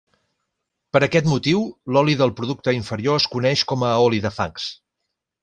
Per aquest motiu, l'oli del producte inferior es coneix com a oli de fangs.